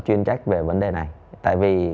chuyên trách về vấn đề này tại vì